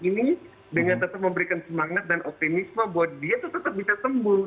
ini dengan tetap memberikan semangat dan optimisme buat dia tetap bisa sembuh gitu